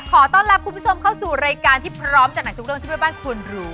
ขอต้อนรับคุณผู้ชมเข้าสู่รายการที่พร้อมจากไหนทุกเรื่องที่แม่บ้านควรรู้